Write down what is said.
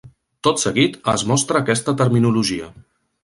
Tot seguit es mostra aquesta terminologia.